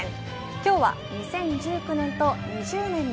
今日は２０１９年と２０年の